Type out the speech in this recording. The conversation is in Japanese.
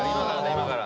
今から。